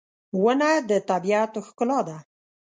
• ونه د طبیعت ښکلا ده.